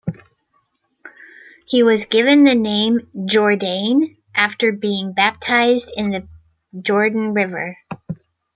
He was given the name "Jourdain" after being baptised in the Jordan River.